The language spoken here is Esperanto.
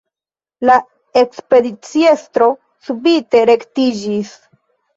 La ekspediciestro subite rektiĝis.